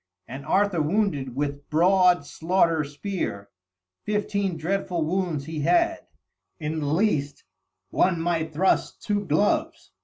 And Arthur wounded with broad slaughter spear; fifteen dreadful wounds he had; in the least one might thrust two gloves!